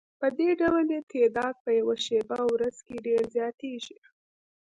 پدې ډول یې تعداد په یوه شپه او ورځ کې ډېر زیاتیږي.